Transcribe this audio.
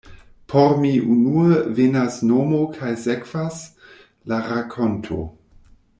Por mi unue venas nomo kaj sekvas la rakonto.